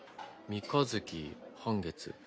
三日月半月。